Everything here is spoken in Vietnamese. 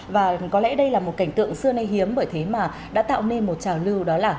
và có lẽ đây là một cảnh tượng xưa nay hiếm bởi thế mà đã tạo nên một trào lưu đó là